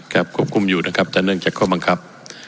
ครับควบคุมอยู่นะครับจากเรื่องจากข้อมังคับ